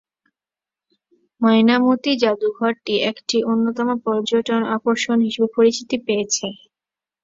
ময়নামতি জাদুঘরটি একটি অন্যতম পর্যটন আকর্ষণ হিসেবে পরিচিতি পেয়েছে।